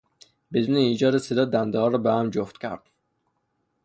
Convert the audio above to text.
بدون ایجاد صدا دندهها را به هم جفت کرد.